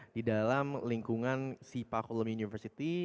di dalam lingkungan sipa columbi university